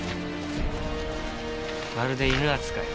まるで犬扱い。